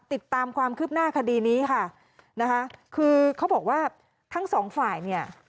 ติดตามความคืบหน้าคดีนี้ค่ะนะคะคือเขาบอกว่าทั้งสองฝ่ายเนี่ย